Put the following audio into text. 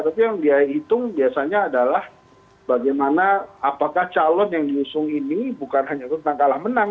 tapi yang dia hitung biasanya adalah bagaimana apakah calon yang diusung ini bukan hanya tentang kalah menang